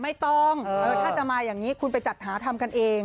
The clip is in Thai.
ไม่ต้องถ้าจะมาอย่างนี้คุณไปจัดหาทำกันเอง